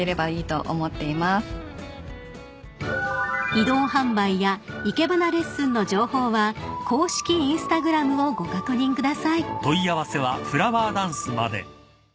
［移動販売や生け花レッスンの情報は公式Ｉｎｓｔａｇｒａｍをご確認ください］